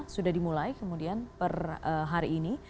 sudah dimulai kemudian per hari ini